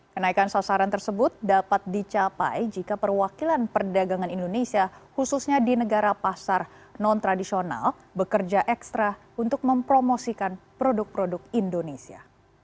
kenaikan sasaran tersebut dapat dicapai jika perwakilan perdagangan indonesia khususnya di negara pasar non tradisional bekerja ekstra untuk mempromosikan produk produk indonesia